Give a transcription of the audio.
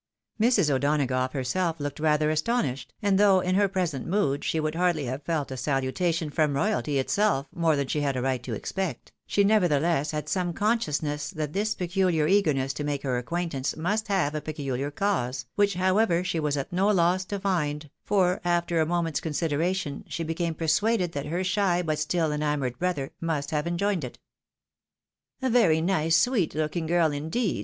Mrs. O'Donagough herself looked rather astonished, and though in her present mood she would hardly have felt a saluta tion from royalty itself more than she had a right to expect, she nevertheless bad some consciousness that this pecuhar eagerness to make her acquaintance must have a peculiar cause, which, however, she was at no loss to find, for, after a moment's con sideration, she became persuaded that her shy, but stiU enamoured brother, must have enjoined it. " A very nice, sweet looking girl, indeed.